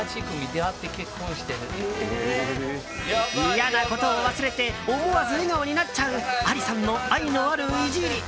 嫌なことを忘れて思わず笑顔になっちゃうアリさんの愛のあるイジり。